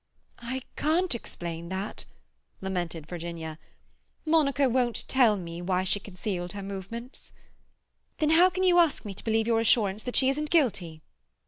"I can't explain that," lamented Virginia. "Monica won't tell me why she concealed her movements." "Then how can you ask me to believe your assurance that she isn't guilty?"